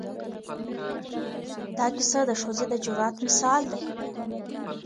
دا کیسه د ښځې د جرأت مثال دی.